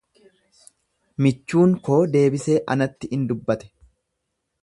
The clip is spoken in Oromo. Michuun koo deebisee anatti in dubbate.